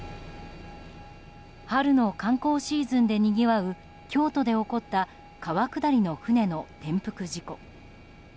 春の観光シーズンでにぎわう京都で起こった川下りの船の転覆事故。